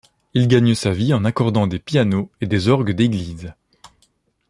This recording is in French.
Il gagne sa vie en accordant des pianos et des orgues d'église.